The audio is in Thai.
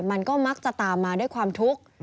มันก็มักจะตามมาด้วยความทุกข์